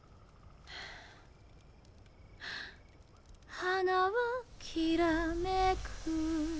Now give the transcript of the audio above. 花はきらめく